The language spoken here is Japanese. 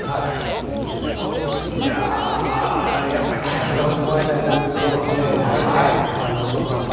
いやぁ、やっぱりタイガース頑張ってもらいたいなというところで４勝３敗。